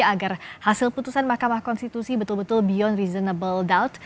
agar hasil putusan mahkamah konstitusi betul betul beyond reasonable doubt